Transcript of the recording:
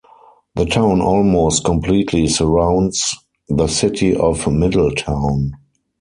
The town almost completely surrounds the city of Middletown.